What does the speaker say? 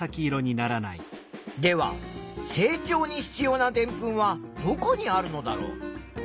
では成長に必要なでんぷんはどこにあるのだろう？